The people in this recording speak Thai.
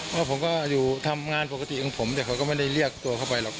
เพราะผมก็อยู่ทำงานปกติของผมแต่เขาก็ไม่ได้เรียกตัวเข้าไปหรอก